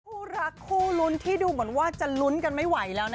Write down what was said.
คู่รักคู่ลุ้นที่ดูเหมือนว่าจะลุ้นกันไม่ไหวแล้วนะ